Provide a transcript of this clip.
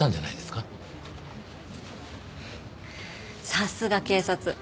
さすが警察。